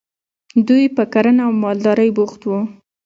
دوی په کرنه او مالدارۍ بوخت وو.